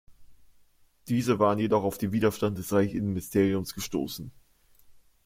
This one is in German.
Diese waren jedoch auf den Widerstand des Reichsinnenministeriums gestoßen.